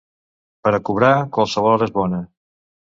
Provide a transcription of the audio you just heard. Per a cobrar, qualsevol hora és bona.